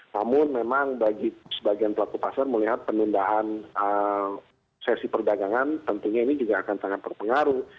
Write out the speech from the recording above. namun memang bagi sebagian pelaku pasar melihat penundaan sesi perdagangan tentunya ini juga akan sangat berpengaruh